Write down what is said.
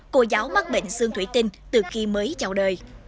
cô giáo mắc bệnh xương thủy tinh từ khi mới chào đời